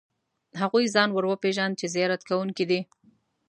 هغوی ځان ور وپېژاند چې زیارت کوونکي دي.